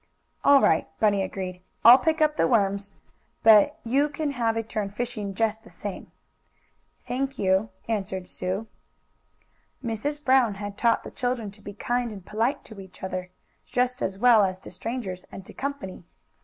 "All right," Bunny agreed. "I'll pick up the worms, but you can have a turn fishing just the same." "Thank you," answered Sue. Mrs. Brown had taught the children to be kind and polite to each other, just as well as to strangers and to "company."